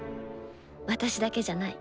私だけじゃない。